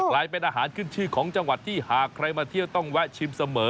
กลายเป็นอาหารขึ้นชื่อของจังหวัดที่หากใครมาเที่ยวต้องแวะชิมเสมอ